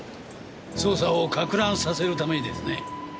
捜査をかく乱させるためにですね。